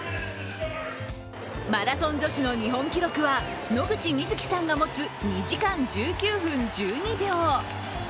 マラソン女子の日本記録は野口みずきさんが持つ２時間１９分１２秒。